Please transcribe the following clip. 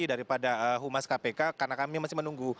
daripada humas kpk karena kami masih menunggu